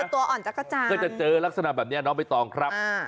มันคือตัวอ่อนจักรจันก็จะเจอลักษณะแบบนี้เนาะไม่ต้องครับ